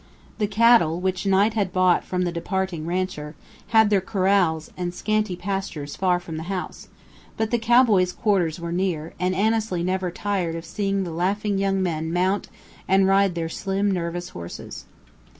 The cattle, which Knight had bought from the departing rancher, had their corrals and scanty pastures far from the house, but the cowboys' quarters were near, and Annesley never tired of seeing the laughing young men mount and ride their slim, nervous horses.